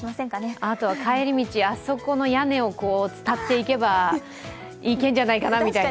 あとは帰り道、あそこの屋根をつたっていけばいけるんじゃないかなみたいな